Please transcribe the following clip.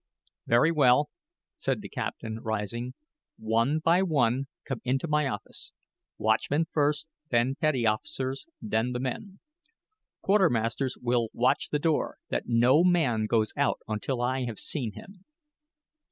"Very well," said the captain, rising; "one by one come into my office watchmen first, then petty officers, then the men. Quartermasters will watch the door that no man goes out until I have seen him."